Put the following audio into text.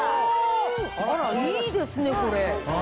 あらいいですねこれ。